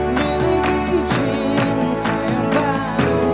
miliki cinta yang baru